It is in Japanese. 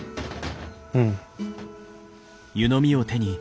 うん。